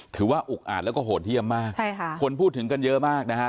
อุกอาจแล้วก็โหดเยี่ยมมากใช่ค่ะคนพูดถึงกันเยอะมากนะฮะ